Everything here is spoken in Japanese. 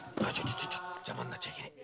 邪魔になっちゃいけねえ。